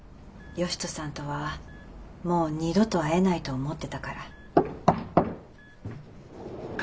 善人さんとはもう二度と会えないと思ってたから。